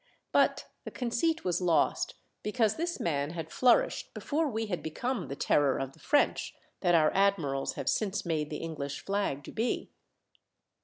But the conceit was lost, because this man had flourished before we had become the terror of the French that our admirals have since made the English flag to be.